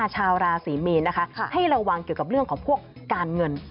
ชาวราศรีมีนนะคะให้ระวังเกี่ยวกับเรื่องของพวกการเงิน